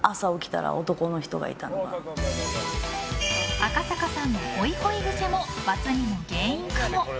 赤坂さんのホイホイ癖もバツ２の原因かも。